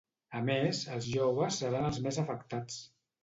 A més, els joves seran els més afectats.